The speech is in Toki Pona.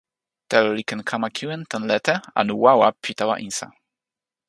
telo li ken kama kiwen tan lete anu wawa pi tawa insa.